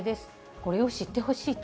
これを知ってほしい。